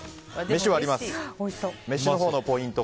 めしのほうのポイント